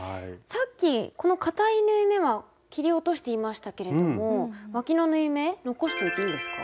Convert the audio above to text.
さっきこのかたい縫い目は切り落としていましたけれどもわきの縫い目残しておいていいんですか？